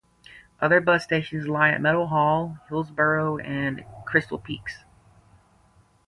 Other bus stations lie at Meadowhall, Hillsborough, and Crystal Peaks.